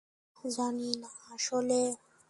জানি না আসলে!